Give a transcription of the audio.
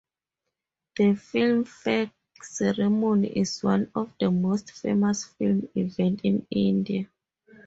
The Filmfare ceremony is one of the most famous film events in India.